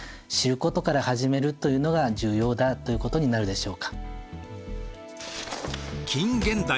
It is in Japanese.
知ることから始めるというのが重要だということになるでしょうか。